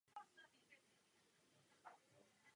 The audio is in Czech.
Klenba původně zamýšlená v gotickém slohu nebyla realizována.